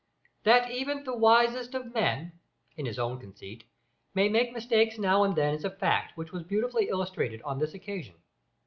That even the wisest of men (in his own conceit) may make mistakes now and then is a fact which was beautifully illustrated on this occasion.